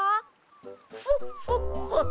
フォッフォッフォッ。